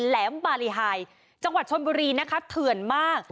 แหลมบารีไฮจังหวัดชนบุรีนะคะเถื่อนมาก